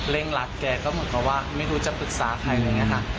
เล่งรถแกก็เหมือนกับว่าไม่รู้จะปรึกษาใครเลยนะครับ